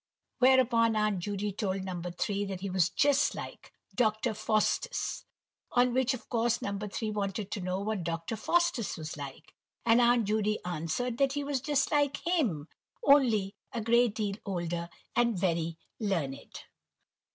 Whereupon Aunt Judy told No. 3 that he was just like Dr. Faustus. On which, of course, No. 3 wanted to know what Dr. Faustus was like, and Aunt Judy answered, that he was just like him, only a great deal older and very learned.